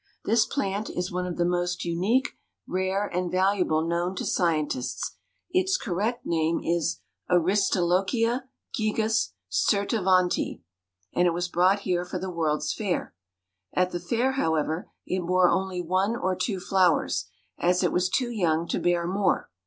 This plant is one of the most unique, rare and valuable known to scientists. Its correct name is Aristolochia gigas Sturtevantii, and it was brought here for the World's Fair. At the Fair, however, it bore only one or two flowers, as it was too young to bear more.